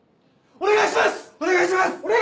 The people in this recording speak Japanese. お願いします！